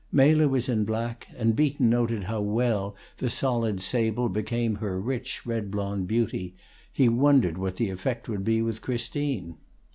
Mela was in black, and Beaton noted how well the solid sable became her rich red blonde beauty; he wondered what the effect would be with Christine.